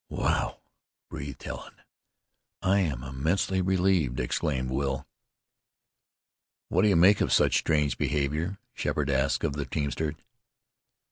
"Well!" breathed Helen. "I am immensely relieved!" exclaimed Will. "What do you make of such strange behavior?" Sheppard asked of the teamster.